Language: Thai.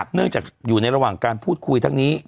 เนื่องจากอยู่ในระหว่างการพูดคุยทั้งนี้